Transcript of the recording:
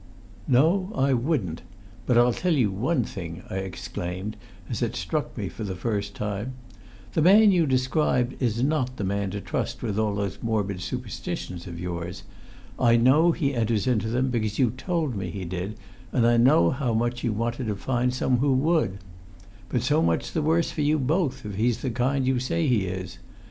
"No, I wouldn't; but I'll tell you one thing," I exclaimed, as it struck me for the first time: "the man you describe is not the man to trust with all those morbid superstitions of yours! I know he enters into them, because you told me he did, and I know how much you wanted to find some one who would. But so much the worse for you both, if he's the kind you say he is.